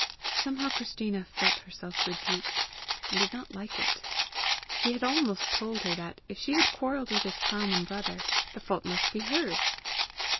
Somehow Christina felt herself rebuked, and did not like it. He had almost told her that, if she had quarrelled with his ploughman brother, the fault must be hers!